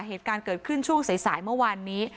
เหตุการณ์เกิดขึ้นช่วงสายเมื่อวานนี้